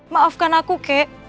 maafkan aku kek